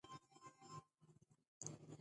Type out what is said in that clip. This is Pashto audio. افغانستان د د هېواد مرکز له مخې پېژندل کېږي.